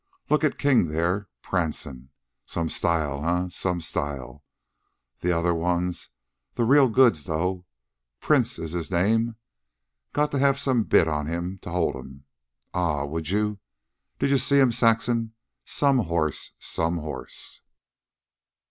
Look at King, there, prancin'. Some style, eh? Some style! The other one's the real goods, though. Prince is his name. Got to have some bit on him to hold'm. Ah! Would you? Did you see'm, Saxon? Some horse! Some horse!"